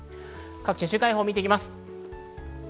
週間予報を見ていきます。